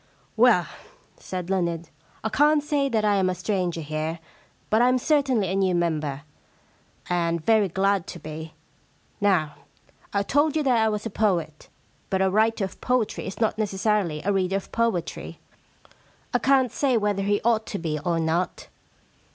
* Well,' said Leonard, * I can't say that I am a stranger here, but I am certainly a new member, and very glad to be. Now, I told you that I was a poet, but a writer of poetry is not necessarily a reader of poetry. I can't 130 The Shakespearean Problem say whether he ought to be or not.'